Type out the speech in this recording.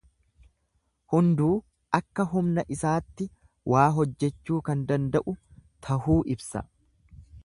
Hunduu akka humna isaatti waa hojjechuu kan danda'u tahuu ibsa.